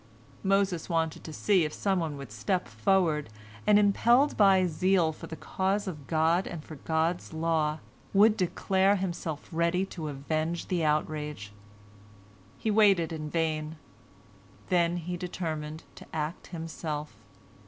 Moses wanted to see if someone would step forward, and, impelled by zeal for the cause of God and for God's law, would declare himself ready to avenge the outrage. He waited in vain. Then he determined to act himself.